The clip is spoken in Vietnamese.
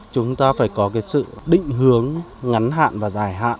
chúng ta phải có cái sự định hướng ngắn hạn và dài hạn